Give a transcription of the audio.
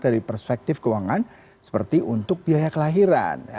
dari perspektif keuangan seperti untuk biaya kelahiran